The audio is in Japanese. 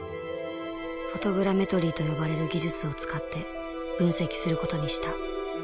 フォトグラメトリーと呼ばれる技術を使って分析することにした。